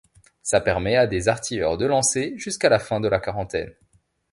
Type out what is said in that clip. Ça permet à des artilleurs de lancer jusqu'à la fin de la quarantaine.